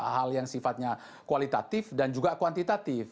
hal yang sifatnya kualitatif dan juga kuantitatif